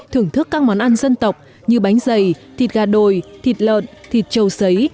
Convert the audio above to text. thưởng thức các món ăn dân tộc như bánh dày thịt gà đồi thịt lợn thịt châu sấy